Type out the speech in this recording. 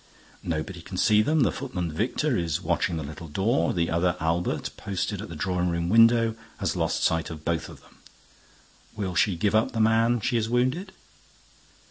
Nobody can see them. The footman Victor is watching the little door. The other, Albert, posted at the drawing room window, has lost sight of both of them. _Will she give up the man she has wounded?